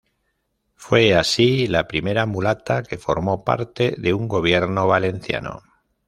Fue así la primera mulata que formó parte de un gobierno valenciano.